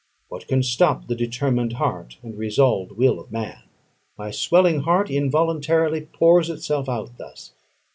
What can stop the determined heart and resolved will of man? My swelling heart involuntarily pours itself out thus.